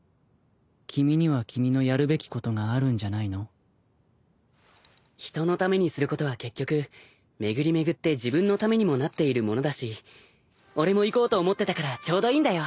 君には君のやるべきことがあるんじゃないの？人のためにすることは結局巡り巡って自分のためにもなっているものだし俺も行こうと思ってたからちょうどいいんだよ。